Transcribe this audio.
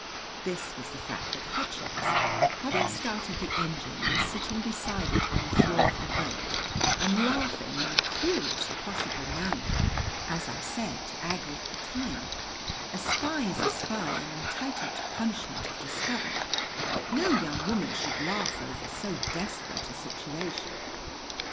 This was the fact that Hutchins, having started the engine, was sitting beside it on the floor of the boat and laughing in the cruelest possible manner. As I said to Aggie at the time: "A spy is a spy and entitled to punishment if discovered; but no young woman should laugh over so desperate a situation."